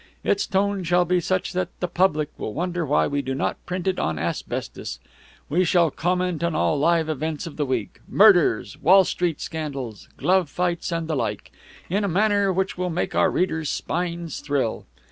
Its tone shall be such that the public will wonder why we do not print it on asbestos. We shall comment on all the live events of the week murders, Wall Street scandals, glove fights, and the like, in a manner which will make our readers' spines thrill.